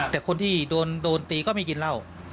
แต่คนที่โดนตีก็ไม่กินเหล้า